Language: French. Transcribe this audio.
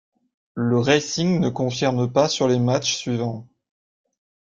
Le Racing ne confirme pas sur les matchs suivants.